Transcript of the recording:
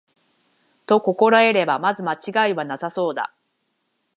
と心得れば、まず間違いはなさそうだ